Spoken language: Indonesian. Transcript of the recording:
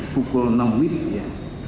pukul enam wib ya